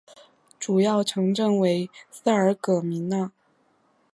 主要城镇为萨尔格米讷。